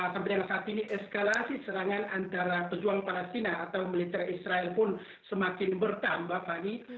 sampai dengan saat ini eskalasi serangan antara pejuang palestina atau militer israel pun semakin bertambah fani